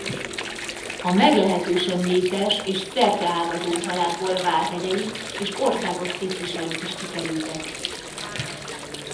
A meglehetősen népes és szerteágazó családból vármegyei és országos tisztviselők is kikerültek.